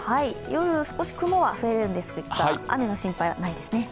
夜、少し雲は増えるんですが、雨の心配はないですね。